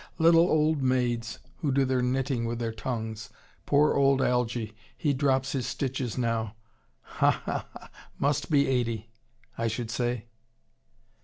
Little old maids, who do their knitting with their tongues. Poor old Algy he drops his stitches now. Ha ha ha! Must be eighty, I should say."